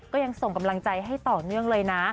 ก็ยังส่งกำลังใจให้ต่อเนื่องเลยนะ